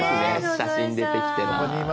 写真出てきてます。